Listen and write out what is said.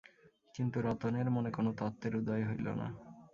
কিন্তু রতনের মনে কোনো তত্ত্বের উদয় হইল না।